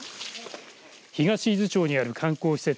東伊豆町にある観光施設